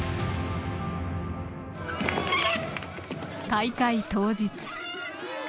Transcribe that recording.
大会当日。